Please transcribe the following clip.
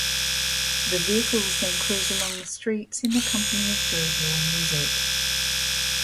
The vehicles then cruise along the streets in the company of jovial music.